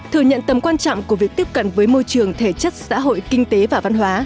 thừa nhận tầm quan trọng của việc tiếp cận với môi trường thể chất xã hội kinh tế và văn hóa